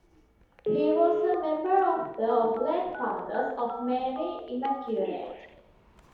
He was a member of the Oblate Fathers of Mary Immaculate.